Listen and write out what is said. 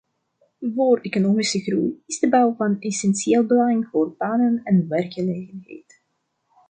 Voor economische groei is de bouw van essentieel belang voor banen en werkgelegenheid.